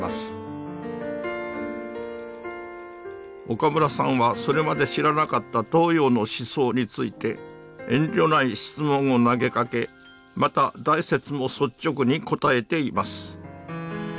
岡村さんはそれまで知らなかった東洋の思想について遠慮ない質問を投げかけまた大拙も率直にこたえています。